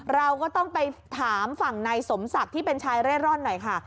เราก็ต้องไปถามฝั่งนายสมศักดิ์ที่เป็นชายเร่ร่อนหน่อยค่ะ